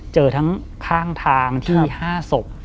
เจอทั้งข้างทางที่มี๕ศพ